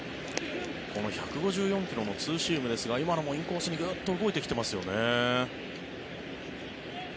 この１５４ｋｍのツーシームですが今のもインコースにグッと動いてきてますよね。